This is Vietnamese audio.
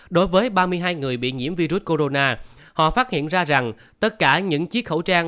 đối với ba mươi hai người bị nhiễm virus corona họ phát hiện ra rằng tất cả những chiếc khẩu trang